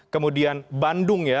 kemudian bandung ya